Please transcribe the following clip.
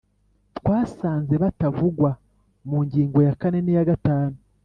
twasanze batavugwa mu ngingo ya kane n iya gatanu